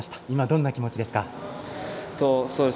今、どんな気持ちですか？